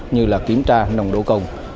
như kiểm tra nồng độ cầu